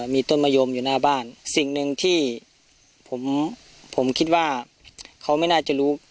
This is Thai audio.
มีต้นมะยมอยู่หน้าบ้านสิ่งหนึ่งที่ผมผมคิดว่าเขาไม่น่าจะรู้